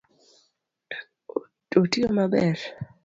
Otiyo maber?